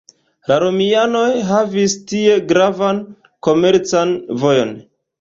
La romianoj havis tie gravan komercan vojon.